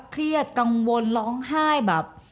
เครียดกังวลร้องไห้แบบ